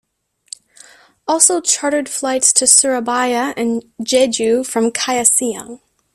Also chartered flights to Surabaya and Jeju from Kaohsiung.